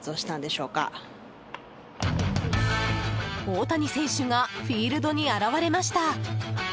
大谷選手がフィールドに現れました。